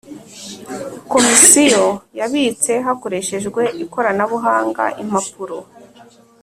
Komisiyo yabitse hakoreshejwe ikoranabuhanga impapuro